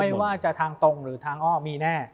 ไม่ว่าจะทางตรงหรือทางอ้อมีแน่